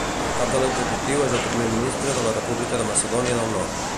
El cap de l'executiu és el Primer Ministre de la República de Macedònia del Nord.